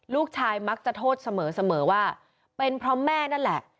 ลูกชายมักจะโทษเสมอว่าเป็นเพราะแม่นั่นแหละ